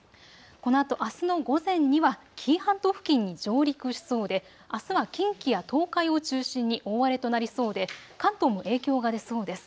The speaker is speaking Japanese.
このあとあすの午前には紀伊半島付近に上陸しそうであすは近畿や東海を中心に大荒れとなりそうで関東に影響が出そうです。